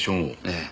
ええ。